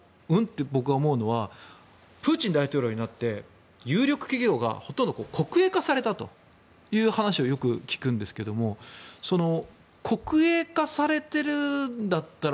と僕が思うのはプーチン大統領になって有力企業がほとんど国営化されたという話をよく聞くんですけども国営化されているんだったら